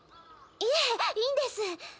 いえいいんです。